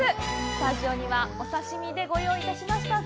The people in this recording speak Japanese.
スタジオにはお刺身でご用意いたしました。